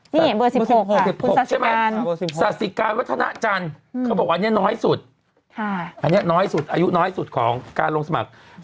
นี่เบอร์๑๖๖ใช่ไหมศาสิการวัฒนาจันทร์เขาบอกอันนี้น้อยสุดอันนี้น้อยสุดอายุน้อยสุดของการลงสมัคร